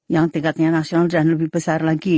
yang tingkatnya nasional dan lebih besar lagi